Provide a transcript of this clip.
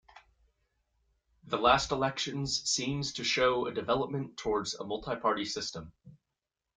The last elections seems to show a development towards a multi-party system.